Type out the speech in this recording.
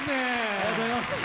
ありがとうございます！